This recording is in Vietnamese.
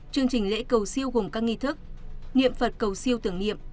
chương trình lễ cầu siêu gồm các nghi thức niệm phật cầu siêu tưởng niệm